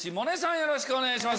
よろしくお願いします。